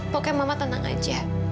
pokoknya mama tenang aja